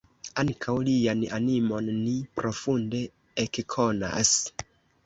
Ankaŭ lian animon ni profunde ekkonas.